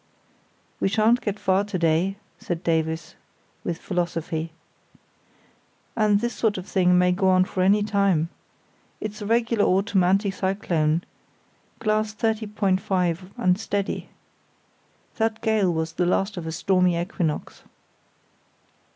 "We shan't get far to day," said Davies, with philosophy. "And this sort of thing may go on for any time. It's a regular autumn anti cyclone—glass thirty point five and steady. That gale was the last of a stormy equinox."